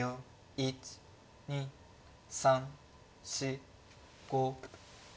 １２３４５６。